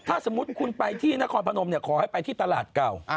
ถ้าสมมุติคุณไปที่นครพนมขอให้ไปที่ตลาดเก่า